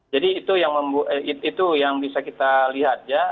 jadi itu yang bisa kita lihat